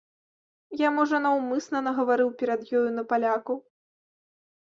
Я, можа, наўмысна нагаварыў перад ёю на палякаў.